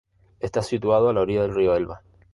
Está situado a la orilla del río Elba.